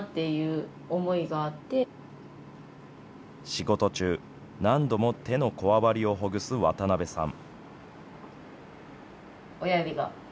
仕事中、何度も手のこわばりをほぐす渡邉さん。